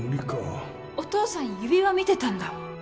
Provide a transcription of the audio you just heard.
お父さん指輪見てたんだ。